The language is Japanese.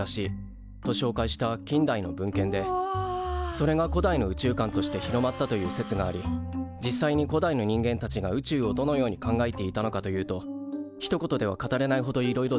それが古代の宇宙観として広まったという説があり実際に古代の人間たちが宇宙をどのように考えていたのかというとひと言では語れないほどいろいろです。